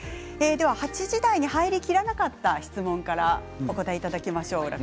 ８時台に入りきらなかった質問からお答えいただきましょう。